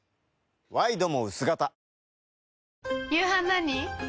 ワイドも薄型夕飯何？